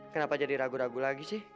kenapa jadi ragu ragu lagi sih